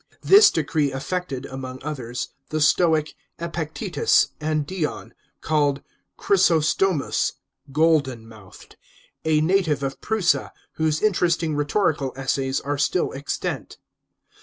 This decree affected, among others, the Stoic Epictetus, and Dion, called Chrysostomus, " Golden mouthed," a native of Prusa, whose interesting rhetorical essays are still extant.